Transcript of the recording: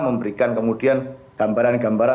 memberikan kemudian gambaran gambaran